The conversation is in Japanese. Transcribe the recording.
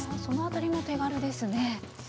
その辺りも手軽ですね。